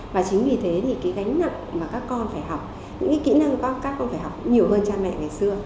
và chính vì thế thì cái gánh nặng mà các con phải học những cái kỹ năng các con phải học nhiều hơn cha mẹ ngày xưa